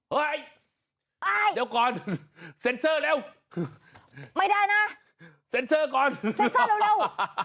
เดี๋ยวก่อนเซ็นเซอร์เร็วไม่ได้นะเซ็นเซอร์ก่อนเซ็นเซอร์เร็ว